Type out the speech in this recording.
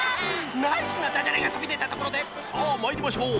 ナイスなダジャレがとびでたところでさあまいりましょう。